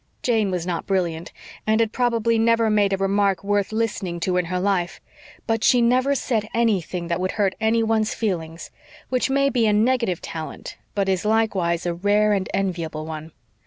Jane was not brilliant, and had probably never made a remark worth listening to in her life; but she never said anything that would hurt anyone's feelings which may be a negative talent but is likewise a rare and enviable one.